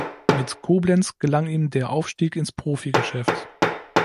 Mit Koblenz gelang ihm der Aufstieg ins Profigeschäft.